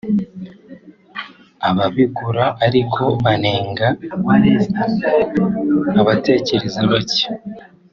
Ababigura ariko banenga abatekereza batyo